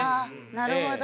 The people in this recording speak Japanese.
なるほど。